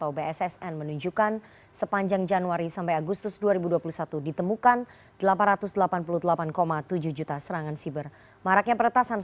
alhamdulillah baik semoga anda juga kabarnya baik